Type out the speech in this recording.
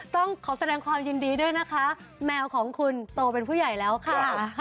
ต้องขอแสดงความยินดีด้วยนะคะแมวของคุณโตเป็นผู้ใหญ่แล้วค่ะ